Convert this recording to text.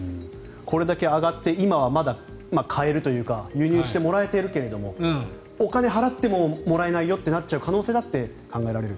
これだけ上がって今はまだ買えるというか輸入してもらえているけれどもお金を払ってももらえないよとなっちゃう可能性だって考えられると。